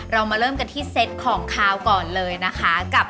เรามาเริ่มกันที่เซตของขาวก่อนเลยนะคะ